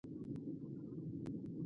کوږ ذهن حقیقت بدلوي